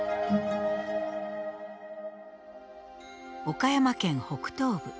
岡山県北東部。